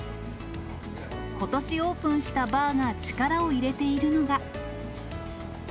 ことしオープンしたバーが力を入れているのが。